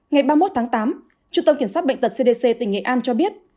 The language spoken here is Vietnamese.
ngày ba mươi một tháng tám trung tâm kiểm soát bệnh tật cdc tỉnh nghệ an cho biết